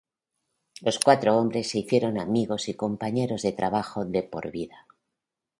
Los cuatro hombres se hicieron amigos y compañeros de trabajo de por vida.